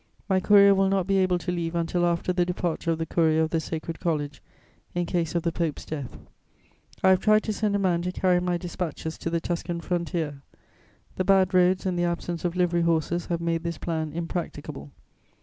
My courier will not be able to leave until after the departure of the courier of the Sacred College, in case of the Pope's death. I have tried to send a man to carry my dispatches to the Tuscan frontier. The bad roads and the absence of livery horses have made this plan impracticable.